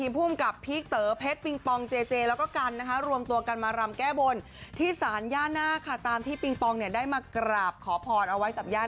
แบบบอกเขาไว้แล้ว